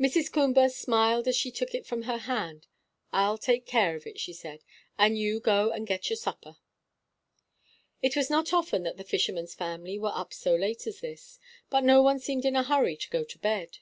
Mrs. Coomber smiled as she took it from her hand. "I'll take care of it," she said, "and you go and get your supper." It was not often that the fisherman's family were up so late as this, but no one seemed in a hurry to go to bed.